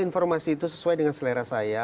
informasi itu sesuai dengan selera saya